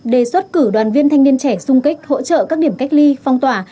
đề xuất cử đoàn viên thanh niên trẻ sung kích hỗ trợ các điểm cách ly phong tỏa